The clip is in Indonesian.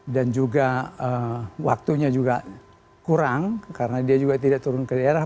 dan juga waktunya juga kurang karena dia juga tidak turun ke daerah